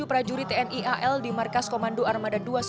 tiga ratus dua puluh tujuh prajurit nial di markas komando armada dua surabaya